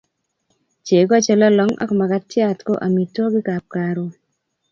Chego che lolong ak makatiaT ko amitwogik ap karon